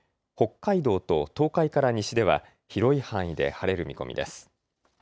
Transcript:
北海道と東海から西では広い範囲で晴れる見込みです。